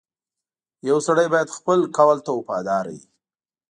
• یو سړی باید خپل قول ته وفادار وي.